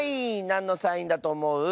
なんのサインだとおもう？